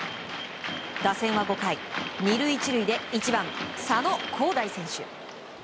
打線は５回、２塁１塁で１番、佐野皓大選手。